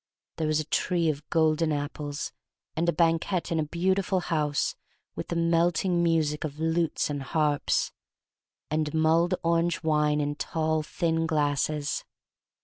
There was a tree of golden apples, and a banquet in a beau tiful house with the melting music of lutes and harps, and mulled orailge wine in tall, thin glasses.